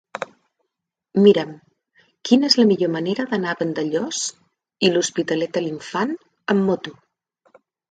Mira'm quina és la millor manera d'anar a Vandellòs i l'Hospitalet de l'Infant amb moto.